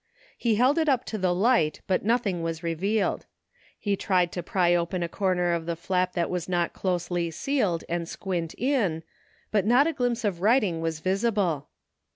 He held it up to the light but nothing was revealed. He tried to pry open a comer of the flap that was not closely sealed, and squint in, but not a glimpse of writing was visible.